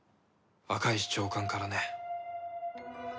赤石長官からね。